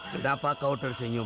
kenapa kau tersenyum